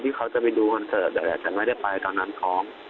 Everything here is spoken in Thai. ที่เขาจะไปคอนเซิร์ทแบบไหนแต่ไม่ได้ไปตอนนั้นช้อง